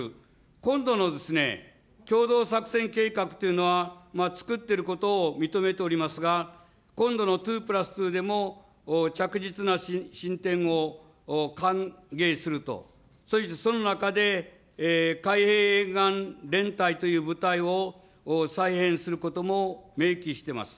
今度の共同作戦計画というのは、作っていることを認めておりますが、今度の２プラス２でも、着実な進展を歓迎すると、その中で海兵沿岸連隊という部隊を再編することも明記しています。